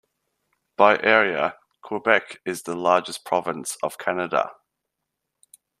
By area, Quebec is the largest province of Canada.